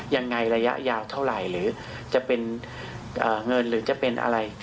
ระยะยาวเท่าไหร่หรือจะเป็นเงินหรือจะเป็นอะไร